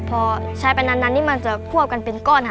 พอใช้ไปนานนี่มันจะควบกันเป็นก้อนค่ะ